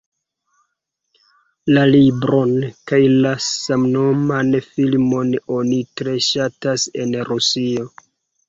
La libron kaj la samnoman filmon oni tre ŝatas en Rusio.